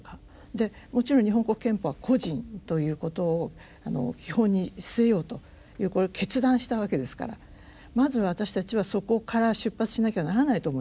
でもちろん日本国憲法は個人ということを基本に据えようというこれ決断したわけですからまず私たちはそこから出発しなきゃならないと思います。